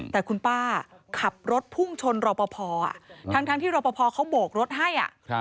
แต่คุณป้าขับรถพุ่งชนรอปภทั้งที่รอปภเขาโบกรถให้